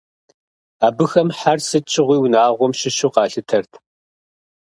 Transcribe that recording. Абыхэм хьэр сыт щыгъуи унагъуэм щыщу къалъытэрт.